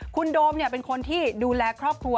คุณโดมเป็นคนที่ดูแลครอบครัว